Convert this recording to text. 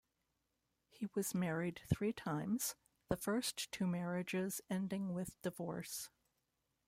He was married three times, the first two marriages ending with divorce.